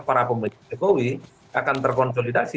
para pemilik pekowi akan terkonsolidasi